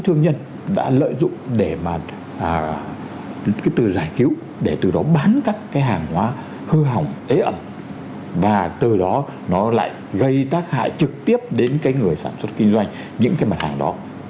thương nhân đã lợi dụng để mà cái từ giải cứu để từ đó bán các cái hàng hóa hư hỏng ế ẩm và từ đó nó lại gây tác hại trực tiếp đến cái người sản xuất kinh doanh những cái mặt hàng đó